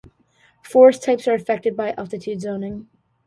Forest types are affected by altitude zoning.